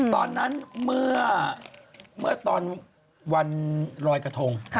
ตอนนั้นเมื่อตอนวันรอยกระทง